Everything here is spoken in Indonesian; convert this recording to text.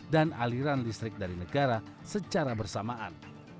aliran listrik dari negara secara bersamaan